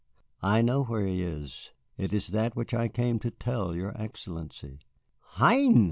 "I know where he is. It is that which I came to tell your Excellency." "Hein!"